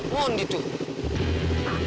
mon dia tuh